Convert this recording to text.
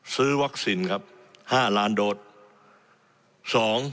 ซื้อวัคซีนครับ๕ล้านโดส